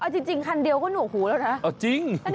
จริงคันเดียวก็หนัวหูแล้วนะ